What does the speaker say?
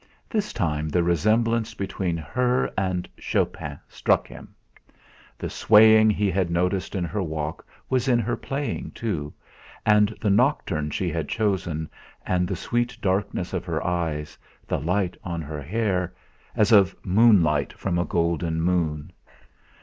This time the resemblance between her and '.hopin' struck him. The swaying he had noticed in her walk was in her playing too, and the Nocturne she had chosen and the soft darkness of her eyes, the light on her hair, as of moonlight from a golden moon.